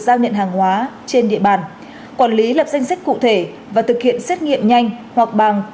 giao nhận hàng hóa trên địa bàn quản lý lập danh sách cụ thể và thực hiện xét nghiệm nhanh hoặc bằng